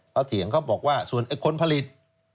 เขาเถียงเขาบอกว่าส่วนคนผลิต